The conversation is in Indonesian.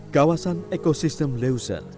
kawasan ecosystem leuser